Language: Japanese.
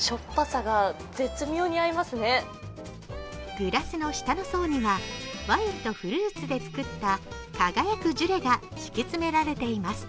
グラスの下の層には、ワインとフルーツで作った、輝くジュレが敷き詰められています。